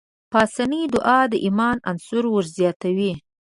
پاسنۍ دعا د ايمان عنصر ورزياتوي.